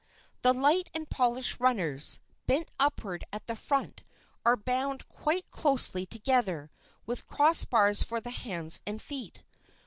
The light and polished runners, bent upward at the front, are bound quite closely together, with cross bars for the hands and feet.